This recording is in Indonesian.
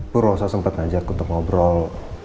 bu rosa sempet ngajakku untuk ngobrol